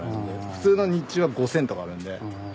普通の日中は５０００とかあるんで。